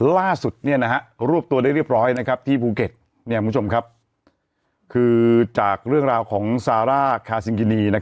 ล่าสุดรวบตัวได้เรียบร้อยที่ภูเก็ตคุณผู้ชมครับคือจากเรื่องราวของซาร่าคาซิงกินี